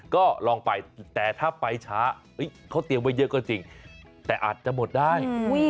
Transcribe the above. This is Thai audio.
ก็ลองไปแต่ถ้าไปช้าเขาเตรียมไว้เยอะก็จริงแต่อาจจะหมดได้